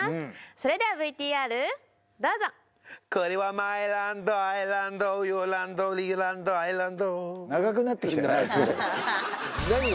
それではＶＴＲどうぞこれはマイランドアイランドユアランドリーランドアイランド長くなってきたよなあ